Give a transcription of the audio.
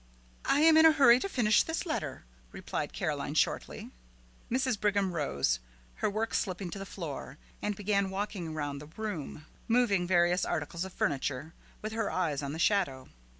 "I am in a hurry to finish this letter," replied Caroline shortly. Mrs. Brigham rose, her work slipping to the floor, and began walking round the room, moving various articles of furniture, with her eyes on the shadow.